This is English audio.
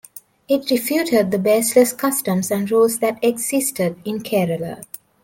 It refuted the baseless customs and rules that existed in Kerala.